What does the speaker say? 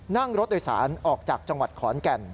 นั่งรถโดยสารออกจากจังหวัดขอนแก่น